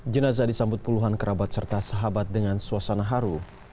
jenazah disambut puluhan kerabat serta sahabat dengan suasana haru